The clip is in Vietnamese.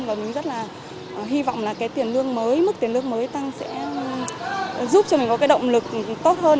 và hy vọng là cái tiền lương mới mức tiền lương mới tăng sẽ giúp cho mình có cái động lực tốt hơn